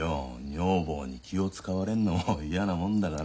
女房に気を遣われるのも嫌なもんだから。